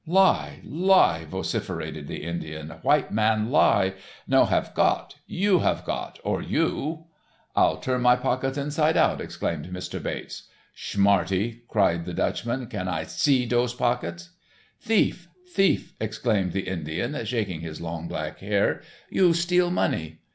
"Lie, lie," vociferated the Indian, "white man lie. No have got. You hav got, or you." "I'll turn my pockets inside out," exclaimed Mr. Bates. "Schmarty," cried the Dutchman. "Can I see dose pocket?" "Thief, thief," exclaimed the Indian, shaking his long black hair. "You steal money."